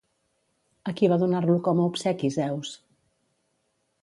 A qui va donar-lo com a obsequi Zeus?